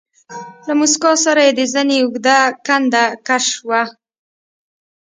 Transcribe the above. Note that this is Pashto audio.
له موسکا سره يې د زنې اوږده کنده کش شوه.